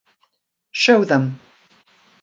Show them.